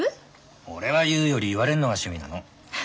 俺は言うより言われるのが趣味なの。